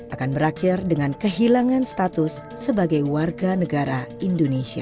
akan berakhir dengan kehilangan status sebagai warga negara indonesia